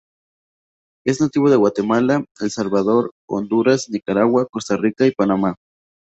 Es nativo de Guatemala, El Salvador, Honduras, Nicaragua, Costa Rica y Panamá.